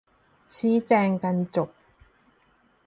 ชี้แจงกัน จบ